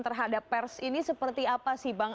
terhadap pers ini seperti apa sih bang